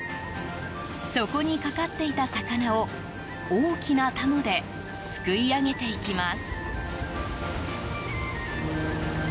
そこにかかっていた魚を大きなたもですくい上げていきます。